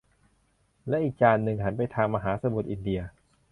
และอีกจานหนึ่งหันไปทางมหาสมุทรอินเดีย